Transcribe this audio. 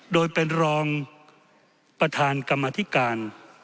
โดยเป็นรองประธานกรรมธิการ